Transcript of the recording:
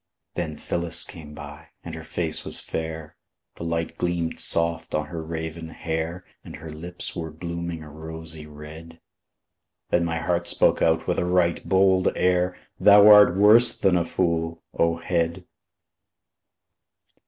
Then Phyllis came by, and her face was fair, The light gleamed soft on her raven hair; And her lips were blooming a rosy red. Then my heart spoke out with a right bold air: "Thou art worse than a fool, O head!"